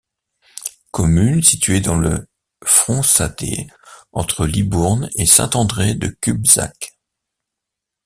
Commune située dans le Fronsadais entre Libourne et Saint-André-de-Cubzac.